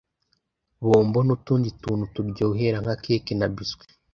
Bombo n’utundi tuntu turyohera nka keke na biswi